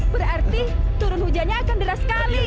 berarti turun hujannya akan deras sekali